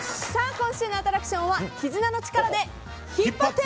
今週のアトラクションは絆の力で引っ張って！